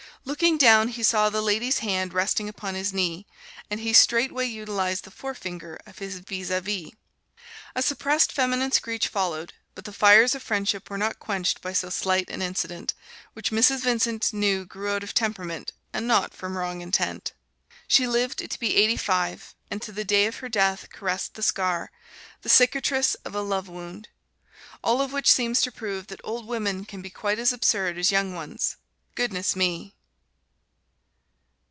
Looking down he saw the lady's hand resting upon his knee, and he straightway utilized the forefinger of his vis a vis. A suppressed feminine screech followed, but the fires of friendship were not quenched by so slight an incident, which Mrs. Vincent knew grew out of temperament, and not from wrong intent. She lived to be eighty five, and to the day of her death caressed the scar the cicatrice of a love wound. All of which seems to prove that old women can be quite as absurd as young ones goodness me!